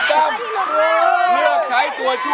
ถ้าคุณดูหุ้ย